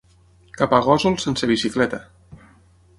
Cap a Gósol sense bicicleta.